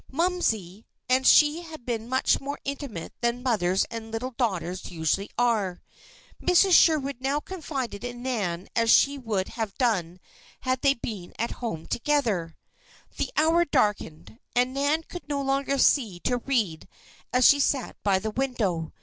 "Momsey" and she had been much more intimate than mothers and little daughters usually are. Mrs. Sherwood now confided in Nan as she would have done had they been at home together. The hour darkened, and Nan could no longer see to read as she sat by the window.